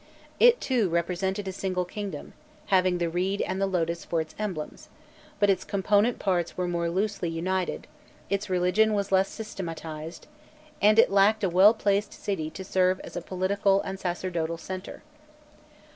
It, too, represented a single kingdom, having the reed and the lotus for its emblems; but its component parts were more loosely united, its religion was less systematized, and it lacked a well placed city to serve as a political and sacerdotal centre.